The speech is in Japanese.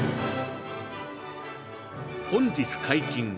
「本日解禁！